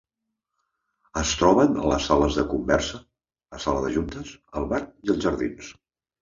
Es troben les sales de conversa, la sala de juntes, el bar i els jardins.